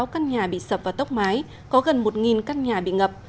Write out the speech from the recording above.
một mươi sáu căn nhà bị sập và tốc mái có gần một căn nhà bị ngập